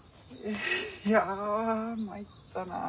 いや参ったなあ。